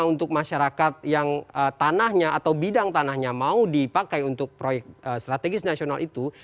untuk masyarakat yang tanahnya atau bidang tanahnya mau dipakai untuk proyek strategis nasional itu